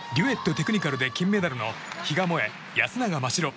テクニカルで金メダルの比嘉もえ、安永真白。